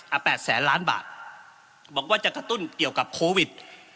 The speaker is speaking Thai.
แปดแสนล้านบาทบอกว่าจะกระตุ้นเกี่ยวกับโควิด